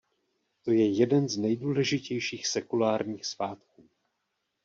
To je jeden z nejdůležitějších sekulárních svátků.